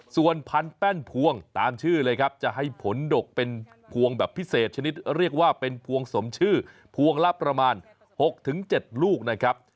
ส่วนพันแป้นพวงตามชื่อเลยครับจะให้ผลดกเป็นพวงแบบพิเศษชนิดเรียกว่าเป็นพวงสมชื่อพวงละประมาณ๖๗ลูกนะครับ